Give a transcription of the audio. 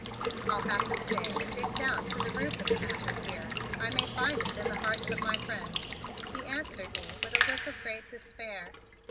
I'll have to stay and dig down to the root of the matter here. I may find it in the hearts of my friends," he answered me with a look of great despair.